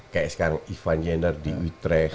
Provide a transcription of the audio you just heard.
kayak sekarang ivan jenner di utrecht